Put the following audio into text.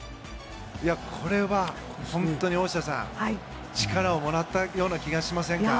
これは、本当に大下さん力をもらったような気がしませんか？